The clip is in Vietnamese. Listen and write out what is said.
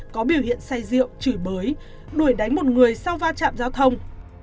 có biểu hiện say rượu chửi bới đuổi đánh một người sau va chạm giao thông